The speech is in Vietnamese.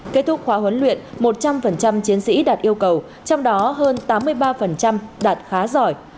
kết thúc khóa huấn luyện một trăm linh chiến sĩ đạt yêu cầu trong đó hơn tám mươi ba đạt khá giỏi